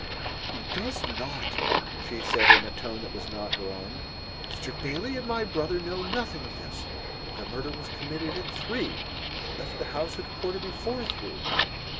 "He does not," she said in a tone that was not her own. "Mr. Bailey and my brother know nothing of this. The murder was committed at three. They left the house at a quarter before three."